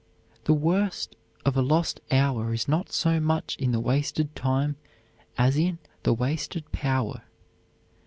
The worst of a lost hour is not so much in the wasted time as in the wasted power.